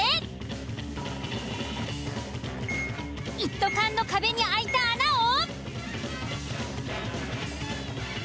一斗缶の壁に開いた穴を。